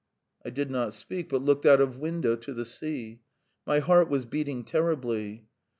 I did not speak, but looked out of window to the sea. My heart was beating terribly.